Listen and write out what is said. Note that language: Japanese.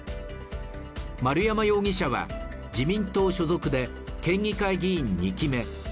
丸山容疑者は自民党所属で県議会議員２期目。